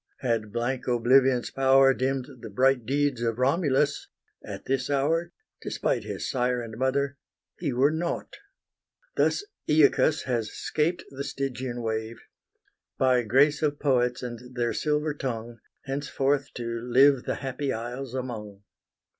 Had blank oblivion's power Dimm'd the bright deeds of Romulus, at this hour, Despite his sire and mother, he were nought. Thus Aeacus has 'scaped the Stygian wave, By grace of poets and their silver tongue, Henceforth to live the happy isles among.